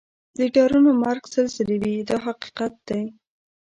د ډارنو مرګ سل ځله وي دا حقیقت دی.